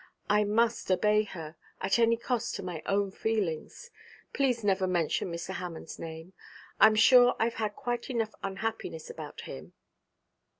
I must obey her, at any cost to my own feelings. Please never mention Mr. Hammond's name. I'm sure I've had quite enough unhappiness about him.'